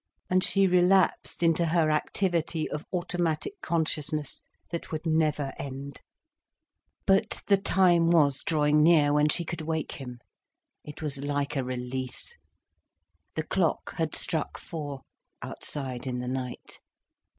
And she relapsed into her activity of automatic consciousness, that would never end. But the time was drawing near when she could wake him. It was like a release. The clock had struck four, outside in the night.